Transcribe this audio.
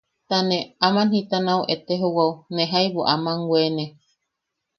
Ta ne... aman jita nau etejouwao, ne jaibu aman weene.